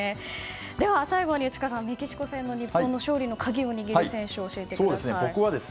では最後に内川さんメキシコ戦の勝利の鍵を握る選手を教えてください。